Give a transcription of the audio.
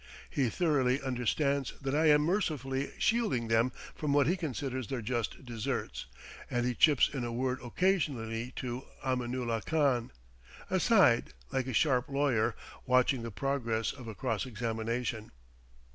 He thoroughly understands that I am mercifully shielding them from what he considers their just deserts, and he chips in a word occasionally to Aminulah Khan, aside, like a sharp lawyer watching the progress of a cross examination.